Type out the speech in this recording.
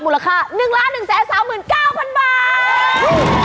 อย่าอัตโนมัติมูลค่า๑๑๓๙๐๐๐บาท